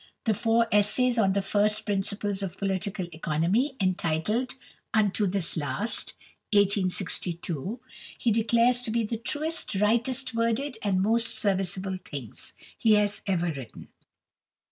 The four essays on the first principles of political economy, entitled "Unto this Last" (1862), he declares to be "the truest, rightest worded, and most serviceable things" he has ever written.